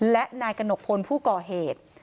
และนายกระหนกพลผู้ก่อเหตุ